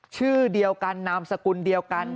ชื่อเดียวกันนามสกุลเดียวกัน